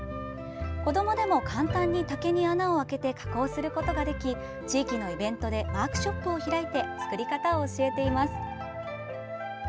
子どもでも、簡単に竹に穴を開けて加工することができ地域のイベントでワークショップを開いて作り方を教えています。